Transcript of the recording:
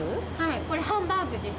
これ、ハンバーグです。